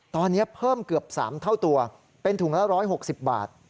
ตอนนี้เพิ่มเกือบ๓เท่าตัวเป็นถุงละ๑๖๐บาท